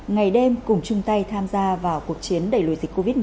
ngày đêm cùng chung tay tham gia vào cuộc chiến đẩy lùi dịch covid một mươi